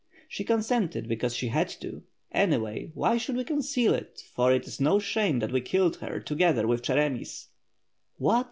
"She consented because she had to. Anyway, why should we conceal it, for it is no shame that we killed her, together with Cheremis." "What?"